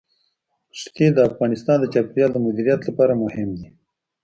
ښتې د افغانستان د چاپیریال د مدیریت لپاره مهم دي.